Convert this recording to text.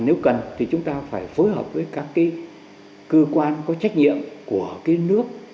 nếu cần thì chúng ta phải phối hợp với các cơ quan có trách nhiệm của cái nước